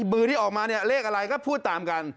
มือที่ออกมาเนี่ยเลขอะไรก็พูดตามกัน